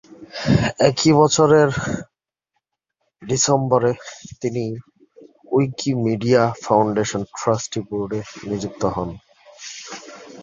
একই বছরের ডিসেম্বরে, তিনি উইকিমিডিয়া ফাউন্ডেশন ট্রাস্টি বোর্ডে নিযুক্ত হন।